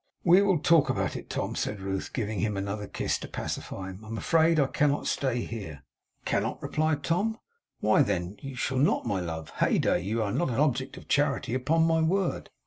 'We will talk about it, Tom,' said Ruth, giving him another kiss to pacify him. 'I am afraid I cannot stay here.' 'Cannot!' replied Tom. 'Why then, you shall not, my love. Heyday! You are not an object of charity! Upon my word!